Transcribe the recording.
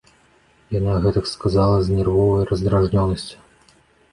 Яна гэта сказала з нервовай раздражнёнасцю.